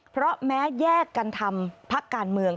เพราะแม้แยกกันทำพักการเมือง